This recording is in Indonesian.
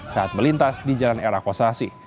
saat melintas di jalan r a kosasi